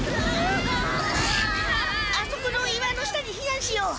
あそこの岩の下にひなんしよう！